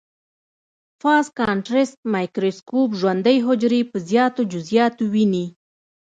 فاز کانټرسټ مایکروسکوپ ژوندۍ حجرې په زیاتو جزئیاتو ويني.